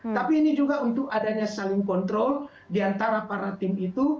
tapi ini juga untuk adanya saling kontrol diantara para tim itu